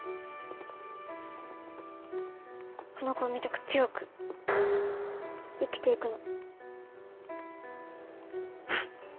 この子みたく強く生きていくの。